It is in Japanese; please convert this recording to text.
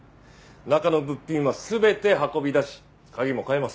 中の物品は全て運び出し鍵も換えます。